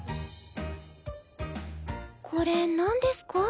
これなんですか？